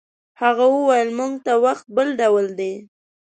هغه وویل موږ ته وخت بل ډول دی.